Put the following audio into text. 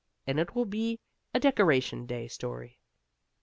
And it will be a Decoration Day story.